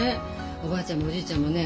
おばあちゃんもおじいちゃんもね